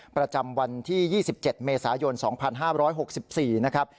ประจำวันที่๒๗เมษายน๒๕๖๔นะครับ